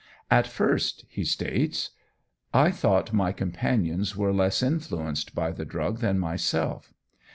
"At first," he states, "I thought my companions were less influenced by the drug than myself.